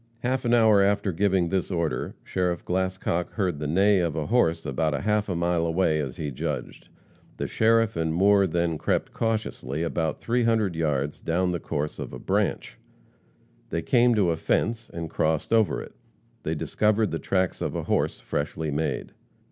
Half an hour after giving this order, Sheriff Glascock heard the neigh of a horse about half a mile away, as he judged. The sheriff and Moore then crept cautiously about three hundred yards down the course of a branch. They came to a fence, and crossed over it. They discovered the tracks of a horse, freshly made.